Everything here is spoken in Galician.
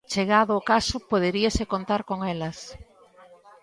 Chegado o caso, poderíase contar con elas.